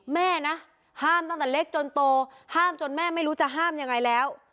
แม่นะห้ามตั้งแต่เล็กจนโตห้ามจนแม่ไม่รู้จะห้ามยังไงแล้ว